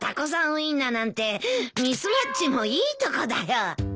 ウインナーなんてミスマッチもいいとこだよ。